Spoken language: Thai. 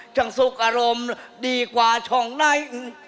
จังสุขอารมณ์ดีกว่าช่องใน